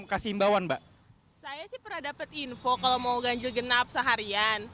saya sih pernah dapat info kalau mau ganjil genap seharian